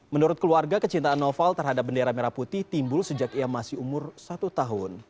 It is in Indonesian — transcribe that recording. menurut keluarga kecintaan noval terhadap bendera merah putih timbul sejak ia masih umur satu tahun